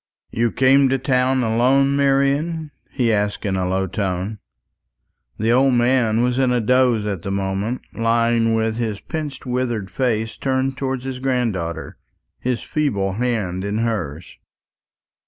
"You came to town alone, Marian?" he asked in a low voice. The old man was in a doze at this moment, lying with his pinched withered face turned towards his granddaughter, his feeble hand in hers.